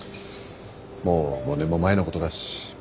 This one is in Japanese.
もう５年も前のことだし。